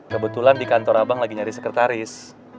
kebetulan di kantor abang lagi nyari sekretaris